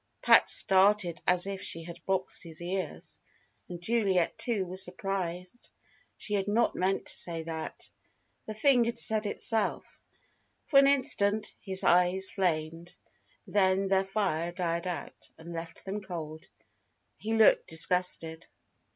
Pat started as if she had boxed his ears: and Juliet, too, was surprised. She had not meant to say that. The thing had said itself. For an instant his eyes flamed. Then their fire died out, and left them cold. He looked disgusted.